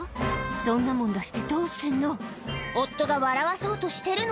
そんなもん出してどうすんの」